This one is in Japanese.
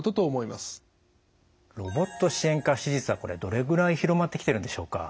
ロボット支援下手術はどれぐらい広まってきてるんでしょうか？